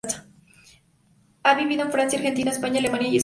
Ha vivido en Francia, Argentina, España, Alemania, Escocia.